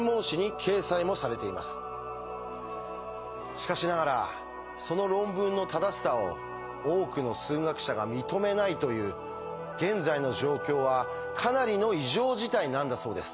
しかしながらその論文の正しさを多くの数学者が認めないという現在の状況はかなりの異常事態なんだそうです。